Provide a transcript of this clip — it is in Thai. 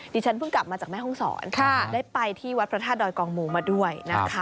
ฉันเพิ่งกลับมาจากแม่ห้องศรได้ไปที่วัดพระธาตุดอยกองหมูมาด้วยนะคะ